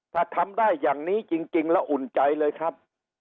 ถ้าทำได้อย่างนี้จริงแล้วอุ่นใจเลยครับ